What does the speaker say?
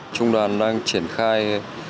trung đoàn đang triển khai